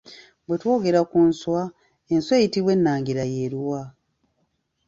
Bwe twogera ku nswa, enswa eyitibwa ennangira y'eruwa?